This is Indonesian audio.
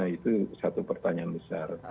itu satu pertanyaan besar